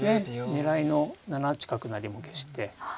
狙いの７八角成も消して。